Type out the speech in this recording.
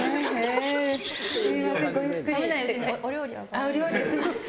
あっお料理すみません。